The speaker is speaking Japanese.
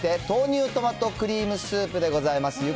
豆乳トマトクリームスープでございます。